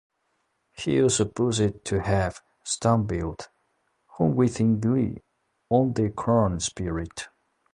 He is supposed to have stumbled unwittingly on the corn-spirit.